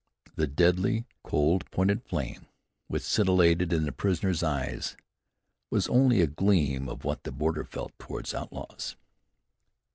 The deadly, cold pointed flame which scintillated in the prisoner's eyes was only a gleam of what the border felt towards outlaws.